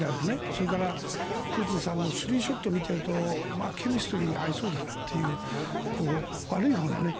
それからプーチンさんのスリーショットを見ているとケミストリーが合いそうだなという悪いほうのね。